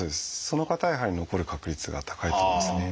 その方はやはり残る確率が高いと思いますね。